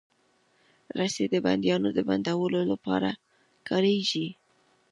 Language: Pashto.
رسۍ د بندیانو د بندولو لپاره کارېږي.